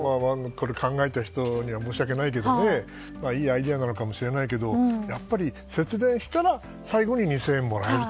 これ考えた人には申し訳ないけどいいアイデアかもしれないけどやっぱり、節電したら最後に２０００円もらえる。